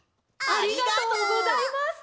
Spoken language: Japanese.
ありがとうございます。